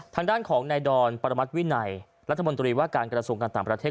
ทางด้านของนายดอนปรมัติวินัยรัฐมนตรีว่าการกระทรวงการต่างประเทศ